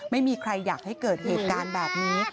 ไม่มีใครอยากให้เกิดเหตุการณ์แบบนี้